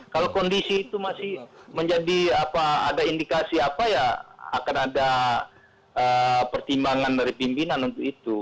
kalau kondisi itu masih menjadi apa ada indikasi apa ya akan ada pertimbangan dari pimpinan untuk itu